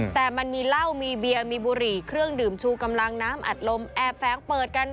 แต่มันมีเหล้ามีเบียร์มีบุหรี่เครื่องดื่มชูกำลังน้ำอัดลมแอบแฟ้งเปิดกัน